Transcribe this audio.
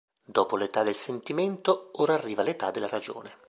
Dopo l'età del sentimento, ora arriva l'età della ragione.